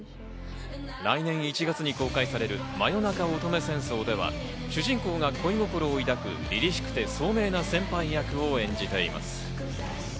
来年１月に公開される『真夜中乙女戦争』では主人公が恋心を抱く凛々しくて聡明な先輩役を演じています。